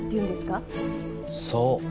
そう。